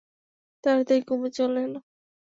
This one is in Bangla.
তাড়াতাড়ি কুমু চলে এল।